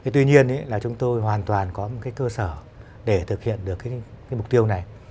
tuy nhiên là chúng tôi hoàn toàn có một cơ sở để thực hiện được mục tiêu này